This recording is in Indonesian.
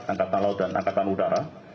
angkatan laut dan angkatan udara